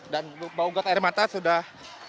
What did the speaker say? dan bau gas air mata sudah